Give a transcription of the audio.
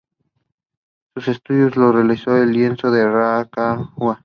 Sus estudios los realizó en el Liceo de Rancagua.